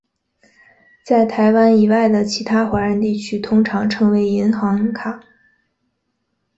在台湾以外的其他华人地区通常称为银行卡。